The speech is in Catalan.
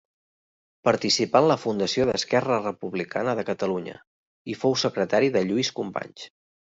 Participà en la fundació d'Esquerra Republicana de Catalunya i fou secretari de Lluís Companys.